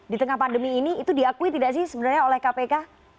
di tengah pandemi ini itu diakui tidak sih sebenarnya oleh kpk